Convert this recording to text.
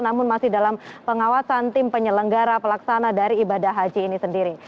namun masih dalam pengawasan tim penyelenggara pelaksana dari ibadah haji ini sendiri